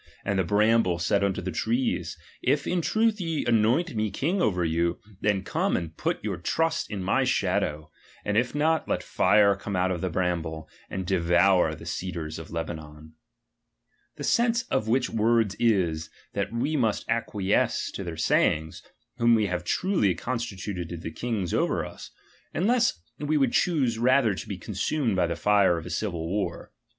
And the hramhle said unto the trees, If in truth ye anoint me king over you, then come and put your trust in my shadow ; and if not, let fire come out of the bramble, and devour the cedars of Lebanon. The sense of which words is, that we must ac quiesce to their sayings, whom we have truly con stituted to be kings over us, unless we would choose rather to be consumed by the fire of a civil war.